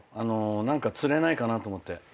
何か釣れないかなって思って。